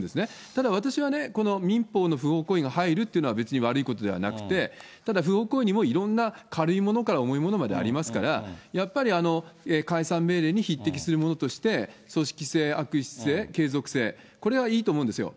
ただ、私はね、この民法の不法行為が入るというのは、別に悪いことではなくて、ただ、不法行為にもいろんな軽いものから重いものまでありますから、やっぱり解散命令に匹敵するものとして、組織性、悪質性、継続性、これはいいと思うんですよ。